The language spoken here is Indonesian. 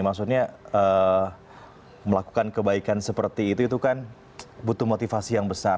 maksudnya melakukan kebaikan seperti itu itu kan butuh motivasi yang besar